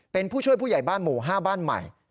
เป็นผู้ช่วยผู้ใหญ่บ้านหมู่๕บ้านใหม่